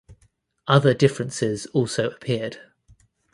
Other differences also appeared.